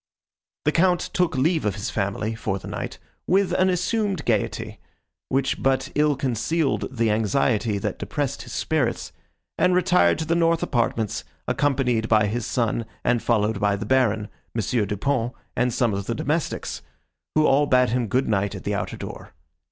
The Count took leave of his family, for the night, with an assumed gaiety, which but ill concealed the anxiety, that depressed his spirits, and retired to the north apartments, accompanied by his son and followed by the Baron, M. Du Pont and some of the domestics, who all bade him good night at the outer door.